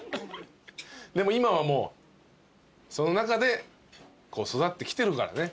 でも今はもうその中で育ってきてるからね。